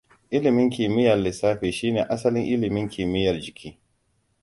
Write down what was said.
Ilimin kimiyyar lissafi shine asalin ilimin kimiyyar jiki.